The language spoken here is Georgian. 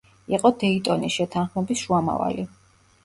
იყო დეიტონის შეთანხმების შუამავალი.